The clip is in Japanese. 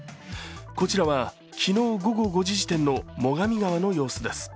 こちらは、昨日午後５時時点の最上川の様子です。